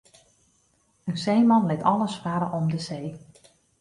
In seeman lit alles farre om de see.